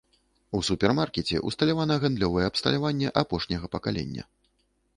У супермаркеце ўсталявана гандлёвае абсталяванне апошняга пакалення.